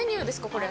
これ。